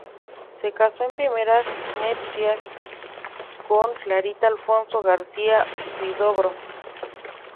Se casó en primeras nupcias con Clarita Alfonso García-Huidobro.